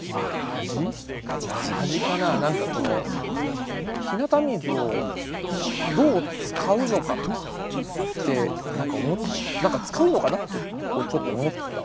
何かこの日向水をどう使うのかって何か「使うのかな？」ってちょっと思ったので。